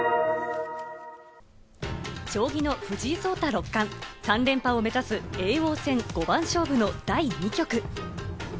将棋の藤井聡太六冠、３連覇を目指す、叡王戦五番勝負の第２局。